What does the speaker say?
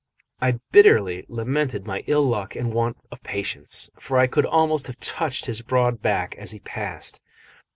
I bitterly lamented my ill luck and want of patience, for I could almost have touched his broad back as he passed.